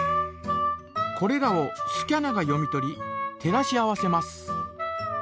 これらをスキャナが読み取り照らし合わせます。